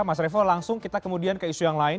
mas revo langsung kita kemudian ke isu yang lain